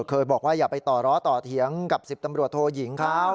เคยบอกว่าอย่าไปต่อร้อต่อเถียงกับ๑๐ตำรวจโทยิงเขา